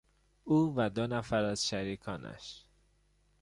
او و دو نفر از شریکانش